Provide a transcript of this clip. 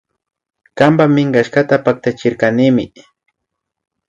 Kanpa minkashkata paktachirkanimi